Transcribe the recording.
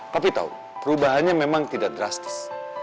tapi tahu perubahannya memang tidak drastis